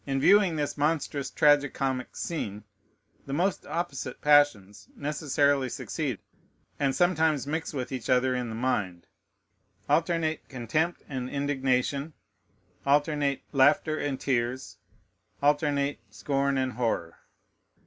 In viewing this monstrous tragi comic scene, the most opposite passions necessarily succeed and sometimes mix with each other in the mind: alternate contempt and indignation, alternate laughter and tears, alternate scorn and horror.